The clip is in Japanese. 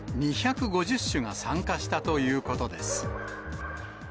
２５０種が参加したということです。